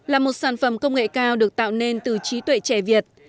là một sản phẩm công nghệ cao được tạo nên từ trí tuệ trẻ việt